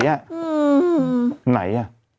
ตรงไหน